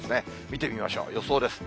見てみましょう、予想です。